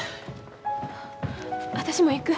私も行く。